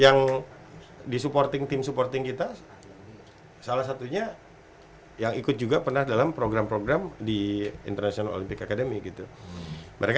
yang di supporting tim supporting kita salah satunya yang ikut juga pernah dalam program program di international olympic academy gitu mereka